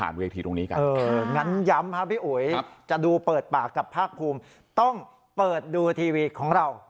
งั้นย้ำพี่อุ๋ยจะดูเปิดปากกับภาคภูมิต้องเปิดดูทีวีของเรา